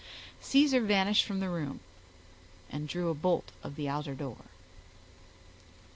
Caesar vanished from the room, and drew a bolt of the outer door.